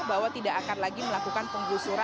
bahwa tidak akan lagi melakukan penggusuran